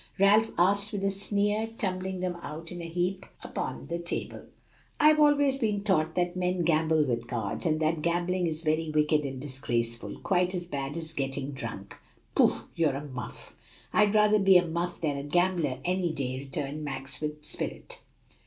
Ralph asked with a sneer, tumbling them out in a heap upon the table. "I've always been taught that men gamble with cards, and that gambling is very wicked and disgraceful, quite as bad as getting drunk." "Pooh! you're a muff!" "I'd rather be a muff than a gambler, any day," returned Max with spirit.